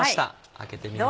開けてみます。